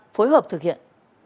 phối hợp thực hiện